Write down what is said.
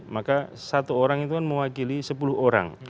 maka satu orang itu kan mewakili sepuluh orang